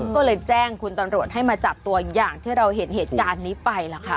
ก็เลยแจ้งคุณตำรวจให้มาจับตัวอย่างที่เราเห็นเหตุการณ์นี้ไปล่ะค่ะ